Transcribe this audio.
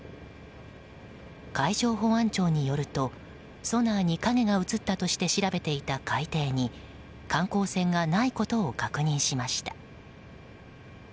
海上保安庁によるとソナーに影が映ったとして調べていた海底に観光船がないことを確認しました。